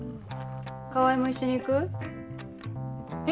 川合も一緒に行く？え？